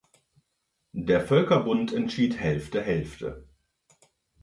Der Völkerbund entschied Hälfte, Hälfte.